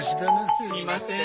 すみません。